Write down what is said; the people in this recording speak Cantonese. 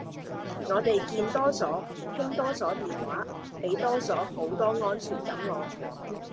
我地見多左，傾多左電話。俾多左好多安全感我。